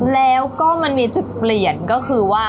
แล้วก็มันมีจุดเปลี่ยนก็คือว่า